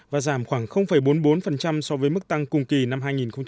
và giảm khoảng bốn mươi bốn so với mức tăng cùng kỳ năm hai nghìn một mươi tám